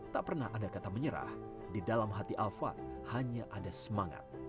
tak pernah ada kata menyerah di dalam hati alfa hanya ada semangat